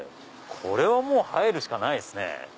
これは入るしかないですね。